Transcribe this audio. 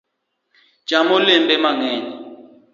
Cham olembe mang’eny